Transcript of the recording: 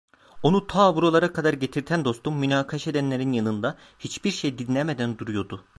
Onu ta buralara kadar getirten dostum, münakaşa edenlerin yanında, hiçbir şey dinlemeden duruyordu.